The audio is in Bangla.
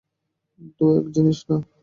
দুটো এক জিনিস না।